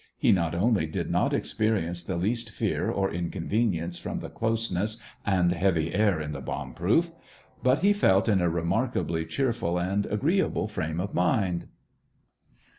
He not only did not experience the least fear or inconvenience from the closeness and heavy air in the bomb proof, but he felt in a remarkably cheerful and agreeable frame of mind.